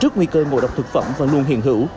trước nguy cơ ngộ độc thực phẩm vẫn luôn hiện hữu